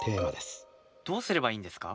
どうすればいいんですか？